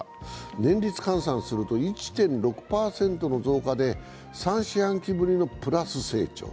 年率換算すると１．６％の増加で３四半期ぶりのプラス成長。